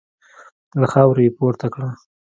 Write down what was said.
له خاورو يې پورته کړه.